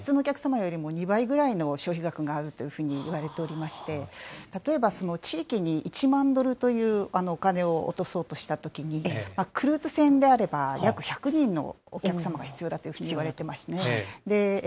１つは、経済効果が非常に高いということで、普通のお客様よりも２倍ぐらいの消費額があるというふうにいわれておりまして、例えば、その地域に１万ドルというお金を落とそうとしたときに、クルーズ船であれば約１００人のお客様が必要だというふうにいわれてますね。